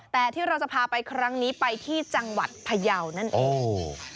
แต่ที่เราจะพาไปครั้งนี้ไปที่จังหวัดพยาวนั่นเอง